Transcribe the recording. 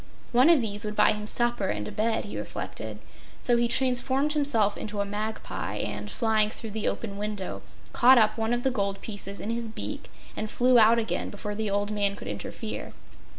One of these would buy him supper and a bed, he reflected, so he transformed himself into a magpie and, flying through the open window, caught up one of the gold pieces in his beak and flew out again before the old man could interfere.